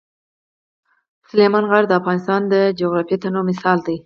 سلیمان غر د افغانستان د جغرافیوي تنوع مثال دی.